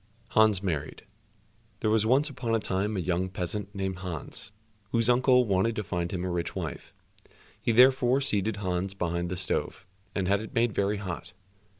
84 Hans Married There was once upon a time a young peasant named Hans, whose uncle wanted to find him a rich wife. He therefore seated Hans behind the stove, and had it made very hot.